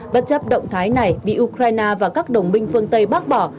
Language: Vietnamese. bất chấp động thái này bị ukraine và các đồng minh phương tây bác bỏ